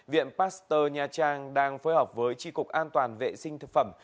viện pasteur nha trang đang phối hợp với tri cục an toàn vệ sinh thực phẩm